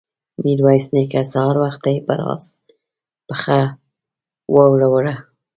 ميرويس نيکه سهار وختي پر آس پښه واړوله.